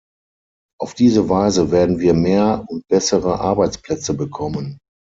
Auf diese Weise werden wir ‚mehr und bessere Arbeitsplätze’ bekommen!